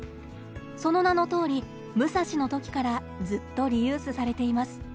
その名のとおり「武蔵ＭＵＳＡＳＨＩ」の時からずっとリユースされています。